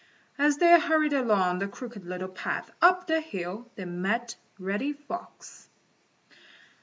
As they hurried along the Crooked Little Path up the hill, they met Reddy Fox.